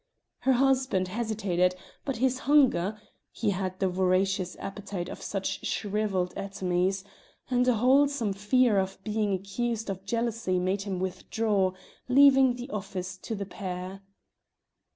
Her husband hesitated, but his hunger (he had the voracious appetite of such shrivelled atomies) and a wholesome fear of being accused of jealousy made him withdraw, leaving the office to the pair.